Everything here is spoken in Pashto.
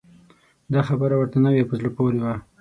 دا خبره ورته نوې او په زړه پورې وه.